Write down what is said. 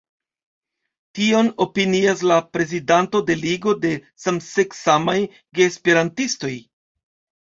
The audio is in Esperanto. Tion opinias la prezidanto de Ligo de Samseksamaj Geesperantistoj.